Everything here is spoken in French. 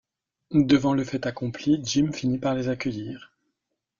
Devant le fait accompli, Jim finit par les accueillir.